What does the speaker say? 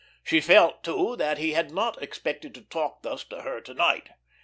She felt, too, that he had not expected to talk thus to her to night.